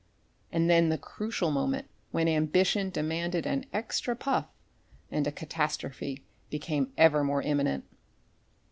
And then the crucial moment when ambition demanded an extra puff and a catastrophe became ever more imminent.